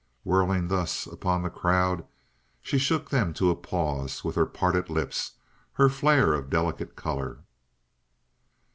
Whirling thus upon the crowd, she shocked them to a pause, with her parted lips, her flare of delicate color.